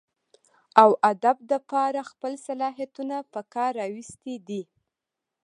اوادب دپاره خپل صلاحيتونه پکار راوستي دي